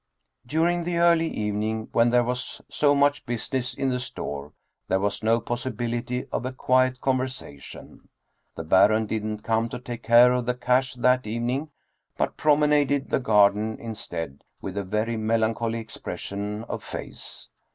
During the early evening, when there was so much business in the store, there was no possibility of a quiet conversation. The Baron didn't come to take care of the cash that evening, but promenaded the garden, in stead, with a very melancholy expression of face.